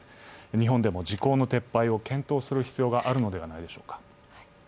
日本でも時効の撤廃を検討する必要があるのではないでしょうか。